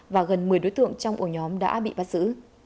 và gần một mươi đối tượng trong ổ nhóm đã bị bắt giữ